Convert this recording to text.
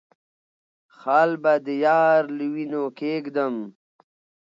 خال به د يار له وينو کېږدم